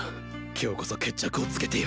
今日こそ決着をつけてやる